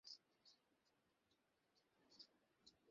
আমি তো এটা খুঁজেই পাচ্ছিলাম না, ধন্যবাদ!